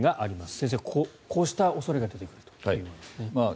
先生、こうした恐れが出てくるというわけですね。